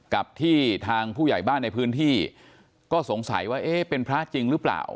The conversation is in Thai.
กับที่ทางผู้ใหญ่บ้านในพื้นที่ก็สงสัยว่าเอ๊ะเป็นพระจริงหรือเปล่า